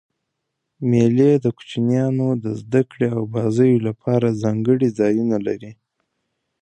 مېلې د کوچنيانو د زدهکړي او بازيو له پاره ځانګړي ځایونه لري.